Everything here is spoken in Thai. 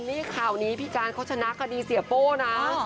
นี่ข่าวนี้พี่การเขาชนะคดีเสียโป้นะ